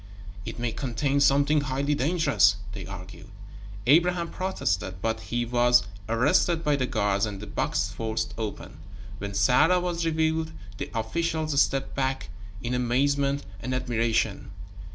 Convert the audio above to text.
"It may contain something highly dangerous," they argued. Abraham protested, but he was arrested by the guards and the box forced open. When Sarah was revealed, the officials stepped back in amazement and admiration.